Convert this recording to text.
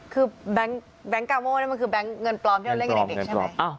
คือแบงค์กาโม่นี่มันคือแบงค์เงินปลอมที่เราเล่นกับเด็กใช่ไหม